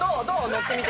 乗ってみて。